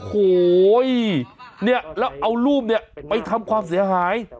โอ้โหเนี่ยแล้วเอารูปเนี่ยไปทำความเสียหาย